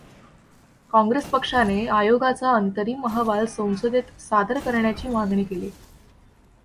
काँग्रेस पक्षाने आयोगाचा अंतरिम अहवाल संसदेत सादर करण्याची मागणी केली.